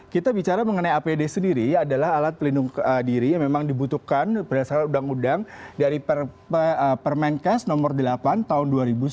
kita bicara mengenai apd sendiri adalah alat pelindung diri yang memang dibutuhkan berdasarkan udang udang dari permenkas nomor delapan tahun dua ribu sepuluh